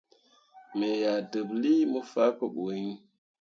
Me yah deɓlii kah faa ɓu iŋ.